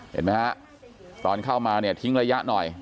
เห็นไหมฮะตอนเข้ามาเนี่ยทิ้งระยะหน่อย